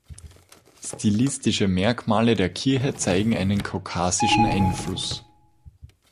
Stilistische Merkmale der Kirche zeigen einen kaukasischen Einfluss.